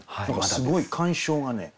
すごい鑑賞がね